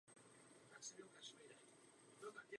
Jasným příkladem je otázka rituální porážky.